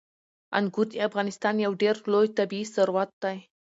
انګور د افغانستان یو ډېر لوی طبعي ثروت دی.